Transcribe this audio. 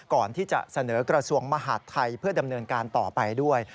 ก่อนที่จะเสนอกระทรวงมหาดไทยเพื่อดำเนินการต่อไปด้วย